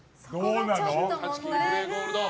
１８金グレーゴールド。